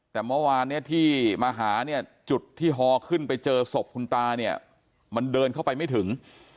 แต่เมื่อวานเนี่ยที่มาหาเนี่ยจุดที่ฮอขึ้นไปเจอศพคุณตาเนี่ยมันเดินเข้าไปไม่ถึง